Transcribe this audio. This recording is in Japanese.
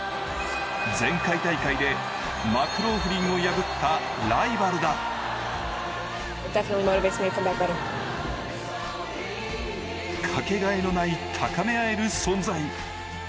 前回大会で、マクローフリンを破ったライバルだかけがえのない高めあえる存在。